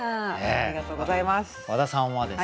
ありがとうございます。